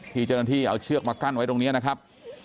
ที่เจ้าหน้าที่เอาเชือกมากั้นไว้ตรงนี้นะครับ